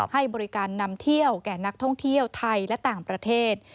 ให้บริการนำเที่ยวแก่นักท่องเที่ยวไทยและต่างประเทศ